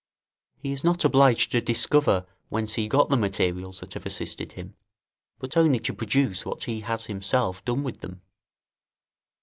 He is not obliged to discover whence he got the materials that have assisted him, but only to produce what he has himself done with them.